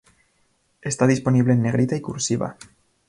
Está disponible en negrita y "cursiva".